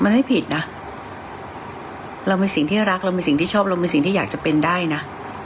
มันไม่ผิดนะเรามีสิ่งที่รักเรามีสิ่งที่ชอบเรามีสิ่งที่อยากจะเป็นได้นะ